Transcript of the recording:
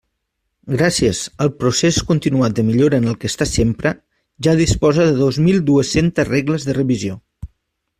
Gràcies al procés continuat de millora en què està sempre, ja disposa de dos mil dues-centes regles de revisió.